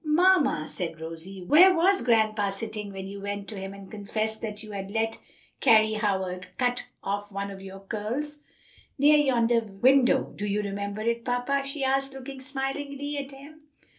"Mamma," asked Rosie, "where was grandpa sitting when you went to him and confessed that you had let Carry Howard cut off one of your curls?" "Near yonder window. Do you remember it, papa?" she asked, looking smilingly at him.